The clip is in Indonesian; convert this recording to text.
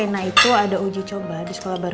masa aku gak sembuh